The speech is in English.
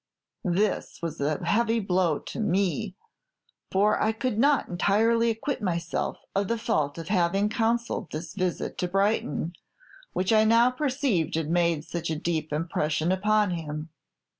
This was a heavy blow to me, for I could not entirely acquit myself of the fault of having counselled this visit to Brighton, which I now perceived had made such a deep impression upon him.